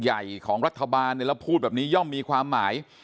ใหญ่ของรัฐบาลพูดแบบนี้ย่อมมีความหมาย